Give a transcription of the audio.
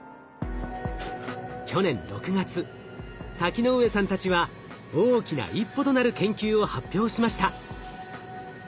去年６月瀧ノ上さんたちは大きな一歩となる研究を発表しました。